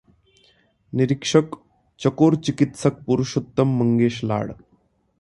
निरीक्षक चकोर चिकित्सक पुरुषोत्तम मंगेश लाड